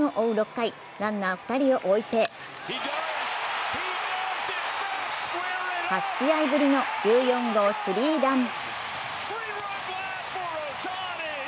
６回、ランナー２人を置いて８試合ぶりの１４号スリーラン。